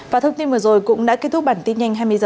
và thông tin vừa rồi cũng đã kết thúc bản tin nhanh hai mươi h